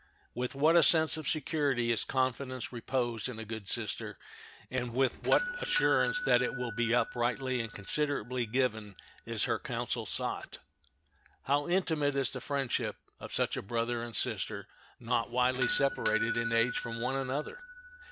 With what a sense of security is confidence reposed in a good sister, and with what assurance that it will be uprightly and considerately given is her counsel sought! How intimate is the friendship of such a brother and sister not widely separated in age from one another!